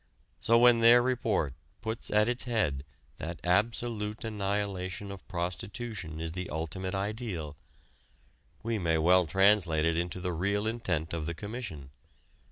So when their report puts at its head that absolute annihilation of prostitution is the ultimate ideal, we may well translate it into the real intent of the Commission.